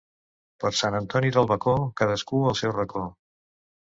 Per Sant Antoni del bacó, cadascú al seu racó.